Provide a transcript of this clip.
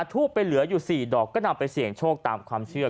ทูบไปเหลืออยู่๔ดอกก็นำไปเสี่ยงโชคตามความเชื่อ